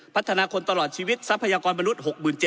พัฒนาคนตลอดชีวิตทรัพยากรมนุษย์๖๗๐